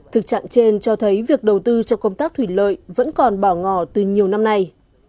thực trạng trên cho thấy việc đầu tư cho công tác thủy lợi vẫn còn bỏ ngỏ từ nhiều năm nay